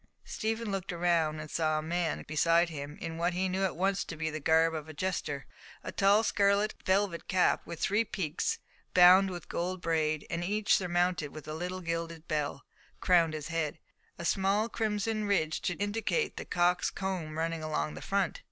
Stephen looked round and saw a man close beside him in what he knew at once to be the garb of a jester. A tall scarlet velvet cap, with three peaks, bound with gold braid, and each surmounted with a little gilded bell, crowned his head, a small crimson ridge to indicate the cock's comb running along the front.